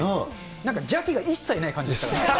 なんか邪気が一切ない感じでしたから。